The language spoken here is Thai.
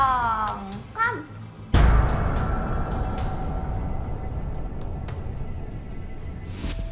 สองสาม